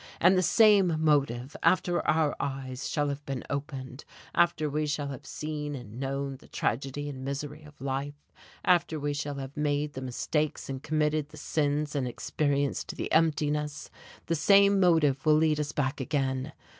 And the same motive, after our eyes shall have been opened, after we shall have seen and known the tragedy and misery of life, after we shall have made the mistakes and committed the sins and experienced the emptiness the same motive will lead us back again.